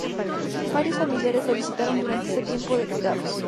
Varios familiares lo visitaron durante ese tiempo de cuidados.